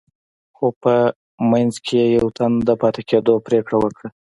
خو په منځ کې يې يوه تن د پاتې کېدو پرېکړه وکړه.